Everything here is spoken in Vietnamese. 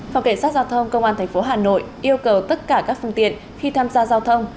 phòng cảnh sát giao thông công an tp hà nội yêu cầu tất cả các phương tiện khi tham gia giao thông